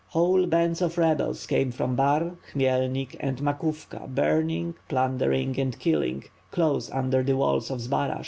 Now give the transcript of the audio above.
Whole bands of rebels came from Bar, Khmyelnik and Makhnovka burning, plundering, and killing, close under the walls of Zbaraj.